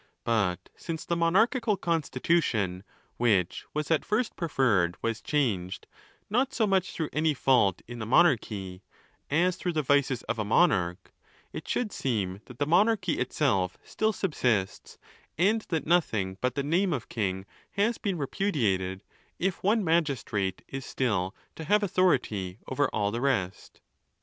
But since the monarchical constitution which was at first pre ferred was changed, not so much through any fault in the monarchy, as through the vices of a monarch, it should seem that the monarchy itself still subsists, and that nothing but the name of king has been repudiated, if one magistrate is still to have authority over all the rest.